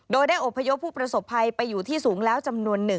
โดยได้อบพยพผู้ประสบภัยไปอยู่ที่สูงแล้วจำนวน๑